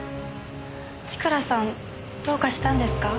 千倉さんどうかしたんですか？